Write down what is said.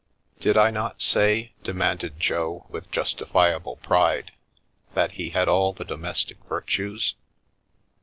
" Did I not say," demanded Jo, with justifiable pride, " that he had all the domestic virtues?